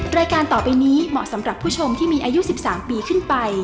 รายการต่อไปนี้เหมาะสำหรับผู้ชมที่มีอายุ๑๓ปีขึ้นไป